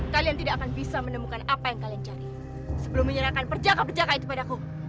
kalian tidak akan bisa menemukan apa yang kalian cari sebelum menyerahkan perjaka perjaka itu padaku